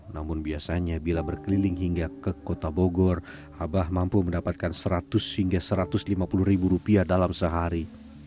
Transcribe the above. namun biasanya bila berkeliling hingga ke kota bogor abah mampu mendapatkan seratus hingga satu ratus lima puluh ribu rupiah dalam sehari